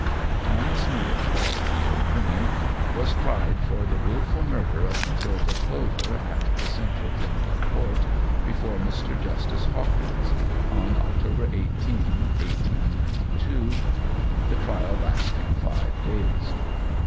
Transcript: Thomas Neill, or Neill Cream, was tried for the wilful murder of Matilda Clover at the Central Criminal Court, before Mr. Justice Hawkins, on October 18, 1892, the trial lasting five days.